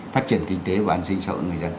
phát triển kinh tế và an sinh cho người dân